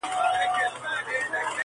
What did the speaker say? • زه په دې چي مي بدرنګ سړی منلی -